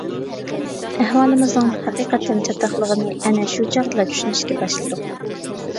ئەھۋالىمىزنىڭ ھەقىقەتەن چاتاقلىغىنى ئەنە شۇ چاغدىلا چۈشىنىشكە باشلىدۇق.